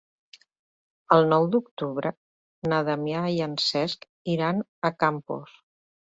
El nou d'octubre na Damià i en Cesc iran a Campos.